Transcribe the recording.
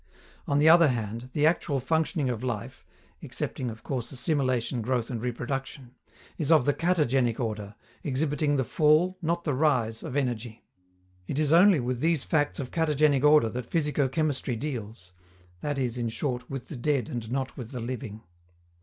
On the other hand, the actual functioning of life (excepting, of course, assimilation, growth, and reproduction) is of the katagenetic order, exhibiting the fall, not the rise, of energy. It is only with these facts of katagenetic order that physico chemistry deals that is, in short, with the dead and not with the living.